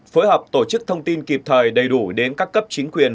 phối hợp tổ chức thông tin kịp thời đầy đủ đến các cấp chính quyền